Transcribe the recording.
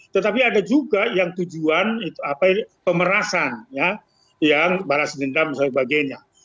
tetapi ada juga yang tujuan pemerasan yang balas dendam sebagainya